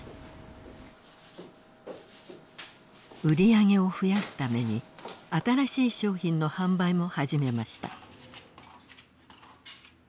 売り上げを増やすために新しい商品の販売も始めました。